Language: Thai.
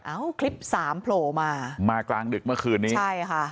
คลิปสามโผล่มามากลางดึกเมื่อคืนนี้ใช่ค่ะ